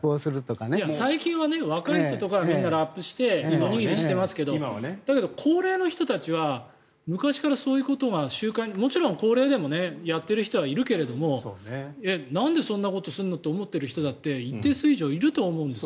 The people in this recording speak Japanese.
最近は、若い人とかはみんなラップしてますがだけど高齢の人たちは昔からそういうことがもちろん高齢でもやっている人はいるけどもなんでそんなことすんのって思ってる人だって一定数以上いると思うんです。